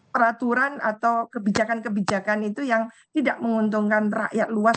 peraturan atau kebijakan kebijakan itu yang tidak menguntungkan rakyat luas